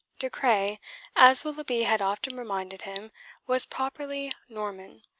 De Craye, as Willoughby had often reminded him, was properly Norman.